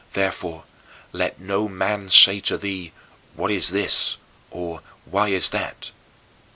Therefore let no man say to thee, "What is this?" or, "Why is that?"